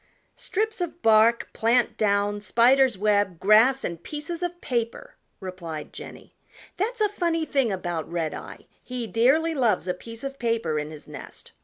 "Strips of bark, plant down, spider's web, grass, and pieces of paper!" replied Jenny. "That's a funny thing about Redeye; he dearly loves a piece of paper in his nest.